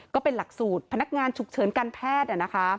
ก็เป็นหลักสูตรพนักงานฉุกเฉินการแพทย์